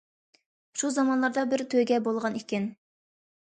شۇ زامانلاردا بىر تۆگە بولغان ئىكەن.